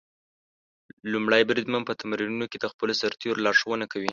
لومړی بریدمن په تمرینونو کې د خپلو سرتېرو لارښوونه کوي.